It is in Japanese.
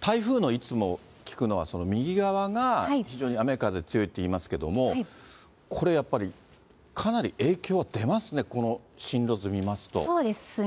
台風の、いつも聞くのは、右側が非常に雨風強いって言いますけれども、これやっぱり、かなり影響出ますね、そうですね。